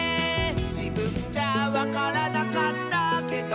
「じぶんじゃわからなかったけど」